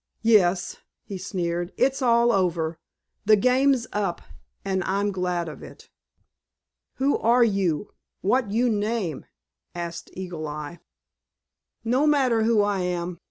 "Yes," he sneered. "It's all over. The game's up—and I'm glad of it." "Who are you? What you name?" asked Eagle Eye. "No matter who I am.